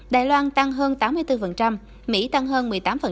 đài loan tăng hơn tám mươi bốn mỹ tăng hơn một mươi tám